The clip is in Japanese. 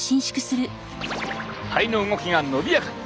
肺の動きが伸びやかに！